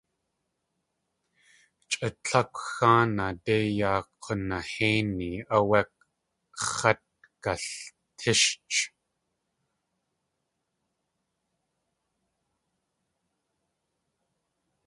Chʼa tlákw xáanaa dei yaa k̲unahéini áwé x̲at galtíshch.